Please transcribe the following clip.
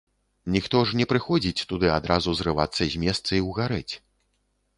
Ніхто ж не прыходзіць туды адразу зрывацца з месца і ўгарэць.